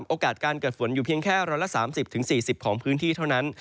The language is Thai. โอกาสการเกิดฝนอยู่เพียงแค่๑๓๐๔๐ของพื้นที่เท่านั้น